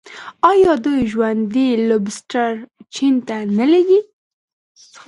آیا دوی ژوندي لوبسټر چین ته نه لیږي؟